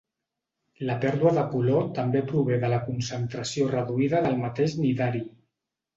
La pèrdua de color també prové de la concentració reduïda del mateix cnidari.